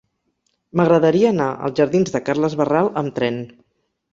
M'agradaria anar als jardins de Carles Barral amb tren.